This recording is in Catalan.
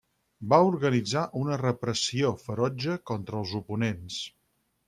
Va organitzar una repressió ferotge contra els oponents.